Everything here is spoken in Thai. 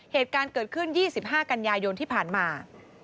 เหตุการณ์เกิดขึ้น๒๕กันยายนที่ผ่านมา